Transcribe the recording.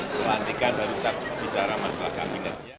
pelantikan berhutang bicara masalah kabinetnya